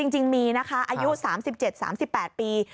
จริงมีนะคะอายุ๓๗๓๘ปี